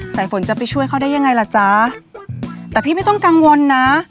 สายฝนจะไปช่วยเขาได้ยังไงล่ะจ๊ะแต่พี่ไม่ต้องกังวลนะ